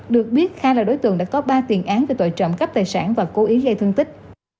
được biết kha là đối tượng đã có ba tiền án về tội trộm cắp tài sản và cố ý gây thương tích